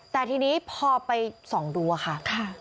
แต่ทีนี้พอไปส่องดูอะค่ะ